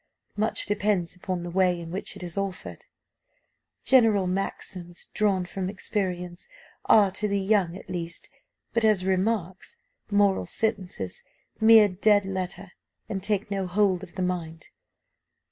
Much depends upon the way in which it is offered. General maxims, drawn from experience, are, to the young at least, but as remarks moral sentences mere dead letter, and take no hold of the mind.